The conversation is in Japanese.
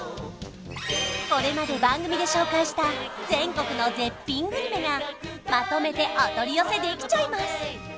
これまで番組で紹介した全国の絶品グルメがまとめてお取り寄せできちゃいます